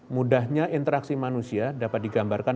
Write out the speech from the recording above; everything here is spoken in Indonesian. mudahnya interaksi manusia dapat digambarkan